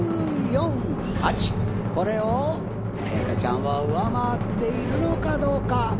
これを彩加ちゃんは上回っているのかどうか。